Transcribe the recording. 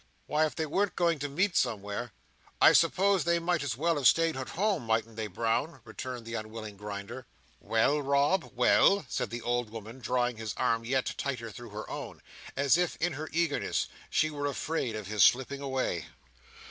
"Why, if they weren't a going to meet somewhere, I suppose they might as well have stayed at home, mightn't they, Brown?" returned the unwilling Grinder. "Well, Rob? Well?" said the old woman, drawing his arm yet tighter through her own, as if, in her eagerness, she were afraid of his slipping away.